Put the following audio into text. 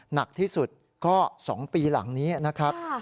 หนักที่สุดก็๒ปีหลังนี้นะครับ